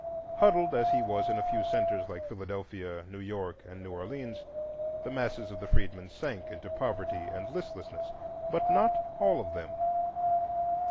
Huddled as he was in a few centres like Philadelphia, New York, and New Orleans, the masses of the freedmen sank into poverty and listlessness; but not all of them.